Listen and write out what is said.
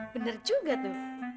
bener juga tuh